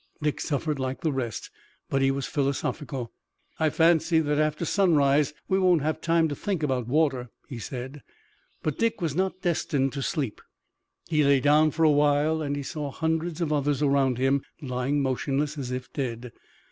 Dick suffered like the rest, but he was philosophical. "I fancy that after sunrise we won't have time to think about water," he said. But Dick was not destined to sleep. He lay down for a while, and he saw hundreds of others around him lying motionless as if dead.